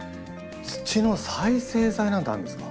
土の再生材なんてあるんですか。